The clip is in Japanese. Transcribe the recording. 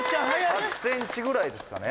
８ｃｍぐらいですかね